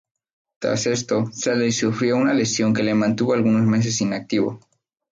Tras esto, Shelley sufrió una lesión que le mantuvo algunos meses inactivo.